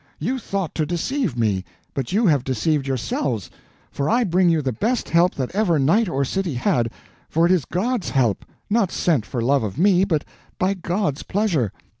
You thought to deceive me, but you have deceived yourselves, for I bring you the best help that ever knight or city had; for it is God's help, not sent for love of me, but by God's pleasure.